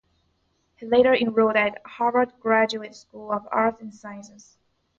He later enrolled at Harvard Graduate School of Arts and Sciences.